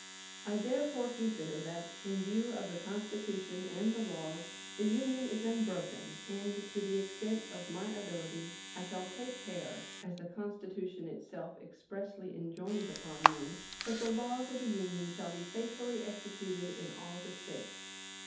I therefore consider that, in view of the Constitution and the laws, the Union is unbroken, and, to the extent of my ability, I shall take care, as the Constitution itself expressly enjoins upon me, that the laws of the Union shall be faithfully executed in all the States.